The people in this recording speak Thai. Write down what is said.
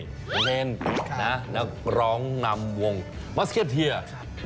น้องเทนครับนะนักร้องนำวงมาสเกียรติเทียร์ครับ